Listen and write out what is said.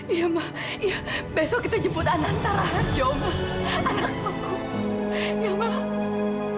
iya mak iya besok kita jemput anantara arjo mak anakku